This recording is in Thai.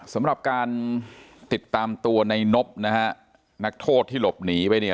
สำหรับการติดตามตัวในนบนะฮะนักโทษที่หลบหนีไปเนี่ย